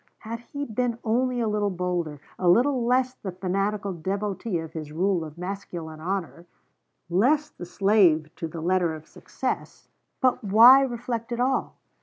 Had he been only a little bolder, a little less the fanatical devotee of his rule of masculine honour, less the slave to the letter of success.... But why reflect at all?